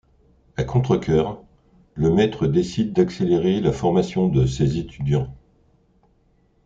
À contre cœur, le Maître décide d'accélérer la formation de ses étudiants...